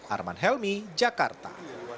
arman helmi jakarta